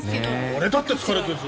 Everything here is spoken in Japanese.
俺だって疲れているし